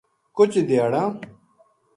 کُجھ دھیاڑاں